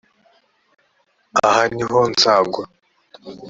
aha ni ho o nzagwa